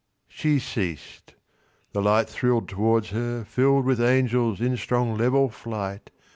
She ceas'd. The light thrill'd towards her, fill'dWith angels in strong level flight.